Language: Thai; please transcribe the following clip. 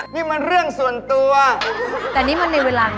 นี่มันเรื่องส่วนตัว